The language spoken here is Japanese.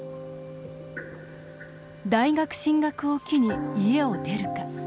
大学進学を機に家を出るか。